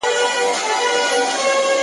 خدايه زه ستا د طبيعت په شاوخوا مئين يم~